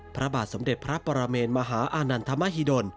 พระบาทสมเด็จพระปรเมนมหาอานันทมหิดล